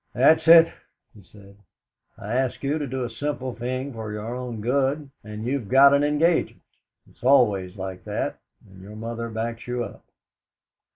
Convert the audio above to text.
"That's it," he said: "I ask you to do a simple thing for your own good and you've got an engagement. It's always like that, and your mother backs you up.